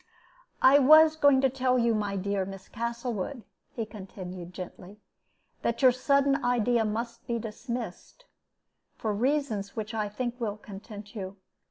"I was going to tell you, my dear Miss Castlewood," he continued, gently, "that your sudden idea must be dismissed, for reasons which I think will content you.